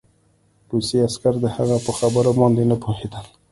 روسي عسکر د هغه په خبره باندې نه پوهېدل